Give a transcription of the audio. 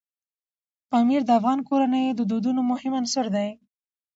پامیر د افغان کورنیو د دودونو مهم عنصر دی.